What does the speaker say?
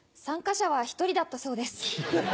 参加者は１人だったそうです。